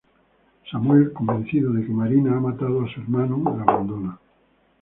Samuel, convencido de que Marina ha matado a su hermano, la abandona.